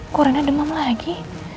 korona demam lagi